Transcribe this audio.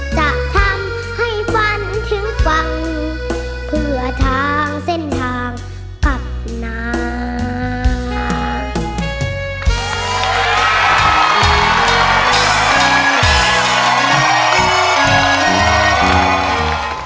จะทำให้ฝันถึงฟังเพื่อทางเส้นทางตัดนาน